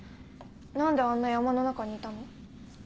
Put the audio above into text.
何であんな山の中にいたの？